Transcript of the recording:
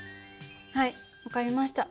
はい分かりました。